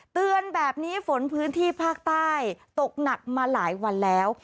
เตือนแบบนี้ฝนพื้นที่ภาคใต้ตกหนักมาหลายวันแล้ว